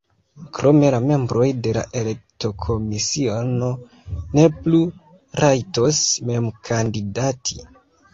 Krome la membroj de la elektokomisiono ne plu rajtos mem kandidati.